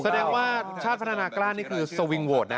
แสดงว่าชาติพัฒนากล้านี่คือสวิงโหวตนะ